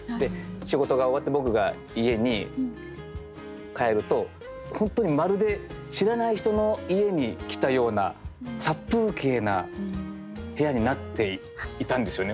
仕事が終わって僕が家に帰ると本当にまるで知らない人の家に来たような殺風景な部屋になっていたんですよね。